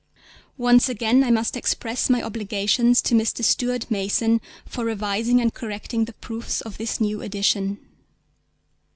Once again I must express my obligations to Mr. Stuart Mason for revising and correcting the proofs of this new edition.